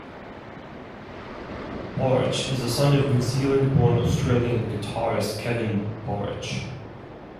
Borich is a son of New Zealand-born Australian guitarist Kevin Borich.